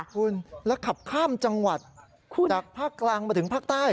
คุณแล้วขับข้ามจังหวัดจากภาคกลางมาถึงภาคใต้